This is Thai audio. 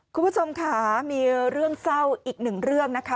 คุณผู้ชมค่ะมีเรื่องเศร้าอีกหนึ่งเรื่องนะคะ